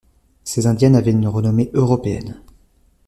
Ses indiennes avaient une renommée européenne.